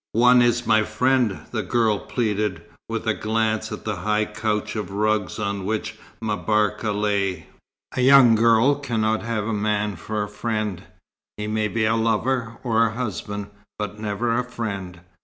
"One is my friend," the girl pleaded, with a glance at the high couch of rugs on which M'Barka lay. "A young girl cannot have a man for a friend. He may be a lover or a husband, but never a friend.